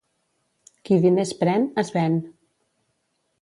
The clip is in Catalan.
Qui diners pren, es ven.